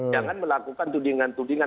jangan melakukan tudingan tudingan